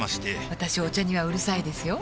私お茶にはうるさいですよ